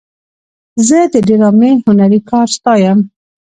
زه د ډرامې هنري کار ستایم.